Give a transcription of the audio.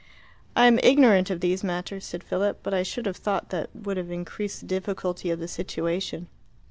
"I am ignorant of these matters," said Philip; "but I should have thought that would have increased the difficulty of the situation."